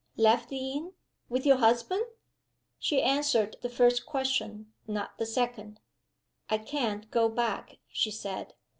"Left the inn? With your husband?" She answered the first question not the second. "I can't go back," she said.